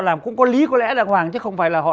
làm cũng có lý có lẽ đàng hoàng chứ không phải là họ